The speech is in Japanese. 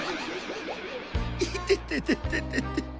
いてててててて。